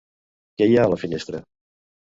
Què hi ha a la finestra?